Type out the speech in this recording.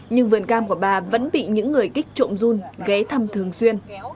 nhưng vườn cam của bà trâm vẫn bị những người kích trộm run ghế thăm thường xuyên